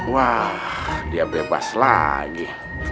wah dia bebas lagi